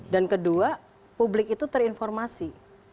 dan kedua publik itu terinformasi